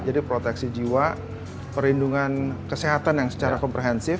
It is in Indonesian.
jadi proteksi jiwa perlindungan kesehatan yang secara komprehensif